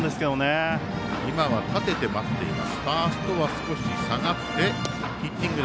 今はバットを立てて待っています。